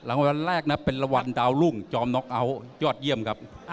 รางวัลแรกนะเป็นรางวัลดาวรุ่งจอมน็อกเอาท์ยอดเยี่ยมครับ